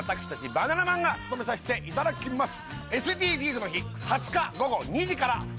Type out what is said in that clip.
バナナマンが務めさせていただきます